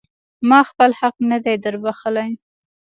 ما خپل حق نه دی در بښلی.